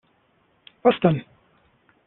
Was denn?